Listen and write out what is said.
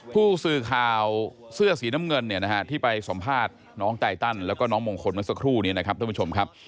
ผู้สื่อข่าวเสื้อสีน้ำเงินเนี่ยนะฮะที่ไปสัมภาษณ์น้องไตตันแล้วก็น้องมงคลเมื่อสักครู่นี้นะครับท่านผู้ชมครับ